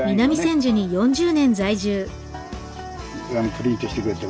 プリントしてくれって。